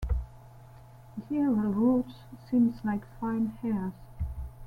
The aerial roots seem like fine hairs.